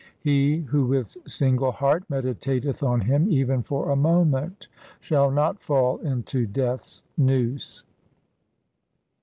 He who with single heart meditateth on Him even for a moment Shall not fall into Death's noose.